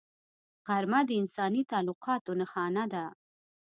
غرمه د انساني تعلقاتو نښانه ده